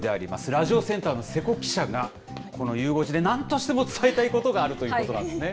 ラジオセンターの瀬古記者が、このゆう５時でなんとしても伝えたいことがあるということなんですね。